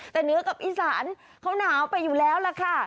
แต่เหนือกับอีสานเขาหนาวไปอยู่แล้วล่ะค่ะ